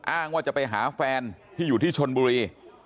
อ้างว่าจะไปหาแฟนที่อยู่ที่ชนบุรี